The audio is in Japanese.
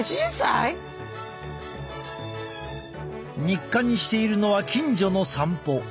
日課にしているのは近所の散歩。